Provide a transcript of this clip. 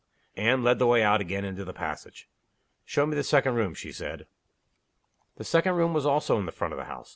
Anne led the way out again into the passage. "Show me the second room," she said. The second room was also in front of the house.